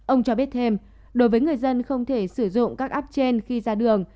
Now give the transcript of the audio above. ông cho biết thêm đối với người dân không thể sử dụng các app trên khi ra đường